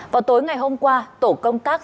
vào tối ngày hôm qua tổ công tác